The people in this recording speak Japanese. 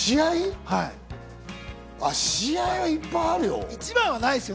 試合はいっぱいあるよ。